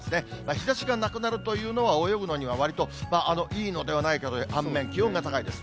日ざしがなくなるというのは、泳ぐのにはわりといいのではないかという反面、気温が高いです。